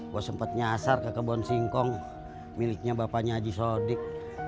gue sempat nyasar ke kebun singkong miliknya bapaknya haji sodik